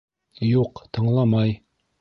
Юҡ, тыңламай.